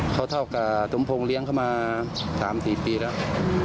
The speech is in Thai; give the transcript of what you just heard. เขาเท่ากับสมพงศ์เลี้ยงเขามา๓๔ปีแล้ว